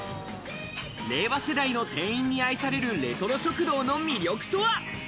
令和世代の店員に愛されるレトロ食堂の魅力とは？